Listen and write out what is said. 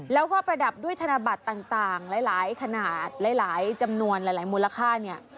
แล้วก็ประดับด้วยธนบัตรต่างหลายขนาดหลายจำนวนหลายมูลค่าเนี่ย